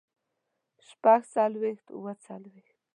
شپږ څلوېښت اووه څلوېښت